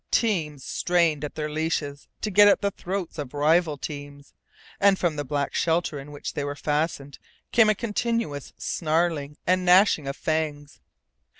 Teams strained at their leashes to get at the throats of rival teams, and from the black shelter in which they were fastened came a continuous snarling and gnashing of fangs.